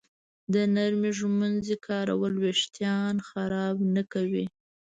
د نرمې ږمنځې کارول وېښتان خراب نه کوي.